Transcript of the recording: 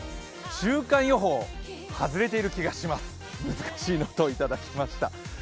週間予報、ハズれている気がします、難しいの？といただきました。